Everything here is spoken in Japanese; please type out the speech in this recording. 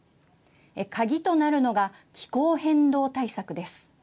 鍵となるのが気候変動対策です。